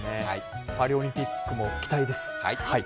パリオリンピックも期待です。